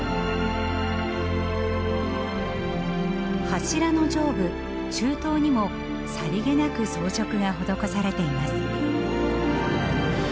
柱の上部柱頭にもさりげなく装飾が施されています。